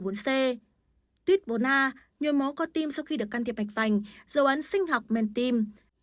tuyết bốn a nhồi máu cơ tim sau khi được can thiệp ảnh vành dấu án sinh học men tim